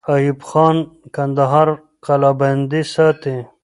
ایوب خان کندهار قلابند ساتي.